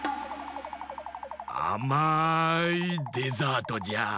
あまいデザートじゃ！